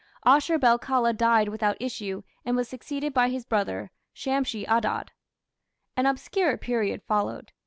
Ashur bel kala died without issue, and was succeeded by his brother, Shamshi Adad. An obscure period followed.